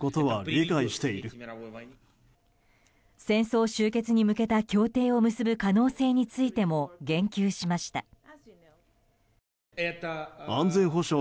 戦争終結に向けた協定を結ぶ可能性についても言及しました。